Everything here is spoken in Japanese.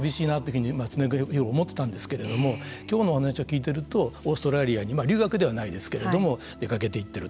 なかなか寂しいなというふうに常日頃、思ってたんですけれども今日のお話を聞いてるとオーストラリアに留学ではないですけれども出かけていってると。